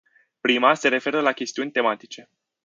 Prima se referă la chestiuni tematice.